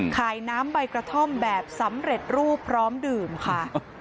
ขายน้ำใบกระท่อมแบบสำเร็จรูปพร้อมดื่มค่ะ